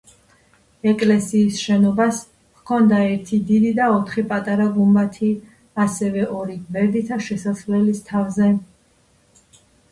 ეკლესიის შენობას ჰქონდა ერთი დიდი და ოთხი პატარა გუმბათი, ასევე ორი გვერდითა შესასვლელების თავზე.